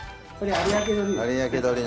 有明鶏。